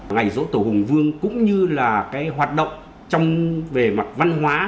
ngày dỗ tổ hùng vương cũng như là cái hoạt động về mặt văn hóa